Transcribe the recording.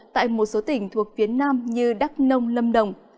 tại một số tỉnh thuộc phía nam như đắk nông lâm đồng